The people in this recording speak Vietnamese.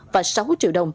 và sáu triệu đồng